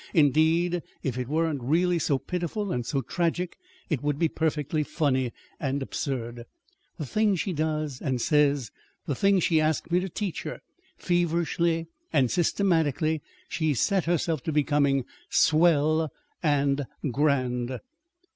Indeed, if it weren't really so pitiful and so tragic, it would be perfectly funny and absurd. The things she does and says the things she asks me to teach her! Feverishly and systematically she's set herself to becoming 'swell' and 'grand.'"